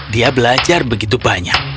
dia belajar begitu banyak